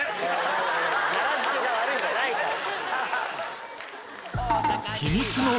奈良漬が悪いんじゃないから。